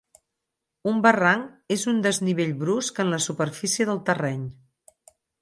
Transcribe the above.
Un barranc és un desnivell brusc en la superfície del terreny.